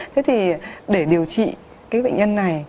thế thì để điều trị cái bệnh nhân này